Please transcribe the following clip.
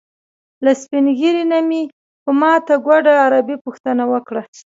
له سپین ږیري نه مې په ماته ګوډه عربي پوښتنه وکړه.